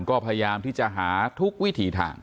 ก็พยายามที่จะหาทุกวิถีทาง